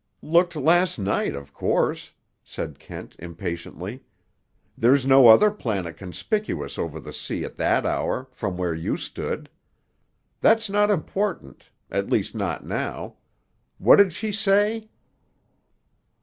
"Looked last night, of course," said Kent impatiently. "There's no other planet conspicuous over the sea at that hour, from where you stood. That's not important; at least, not now. What did she say?"